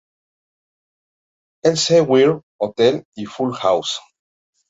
Elsewhere", "Hotel", "y Full House".